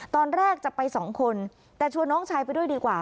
ตอนแรกจะไปสองคนแต่ชวนน้องชายไปด้วยดีกว่า